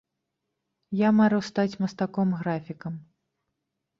Я марыў стаць мастаком-графікам.